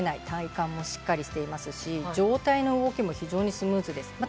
体幹もしっかりしていますし上体の動きも非常にスムーズです。